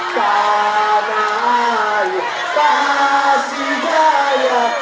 tanah air pasti jaya